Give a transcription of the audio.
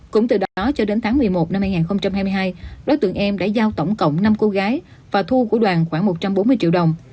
cũng từ đó cho đến tháng một mươi một năm hai nghìn hai mươi hai đối tượng em đã giao tổng cộng năm cô gái và thu của đoàn khoảng một trăm bốn mươi triệu đồng